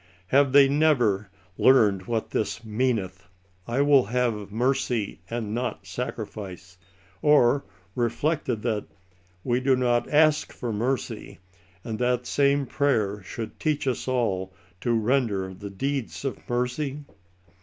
Have they never " learned what this meaneth, I will have mercy and not sacrifice ?"— or reflected that cc we do a8k for mercy, And that same prayer should teach us all to render The deeds of mercy